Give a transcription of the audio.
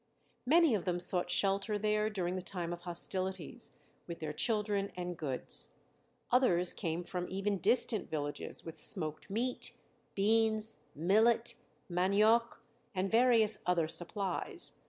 Many of them sought shelter there during the time of hostilities, with their children and goods. Others came from even distant villages with smoked meat, beans, millet, manioc, and various other supplies.